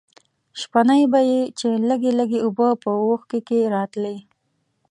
شپېنۍ به یې چې لږې لږې اوبه په وښکي کې راتلې.